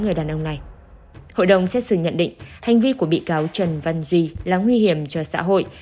người đàn ông này hội đồng xét xử nhận định hành vi của bị cáo trần văn duy là nguy hiểm cho xã hội